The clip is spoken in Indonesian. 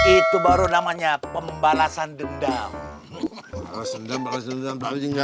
itu baru namanya pembalasan dendam